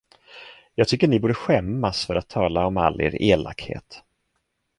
Jag tycker ni borde skämmas för att tala om all er elakhet.